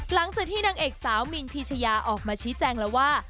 หลังจากที่นางเอกสาวมินพีชยาออกมาชี้แจงแล้วว่า